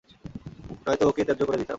নয়তো ওকে ত্যায্য করে দিতাম।